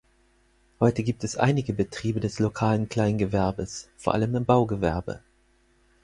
Heute gibt es einige Betriebe des lokalen Kleingewerbes, vor allem im Baugewerbe.